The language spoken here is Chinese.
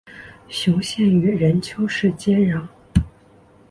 雄县与任丘市接壤。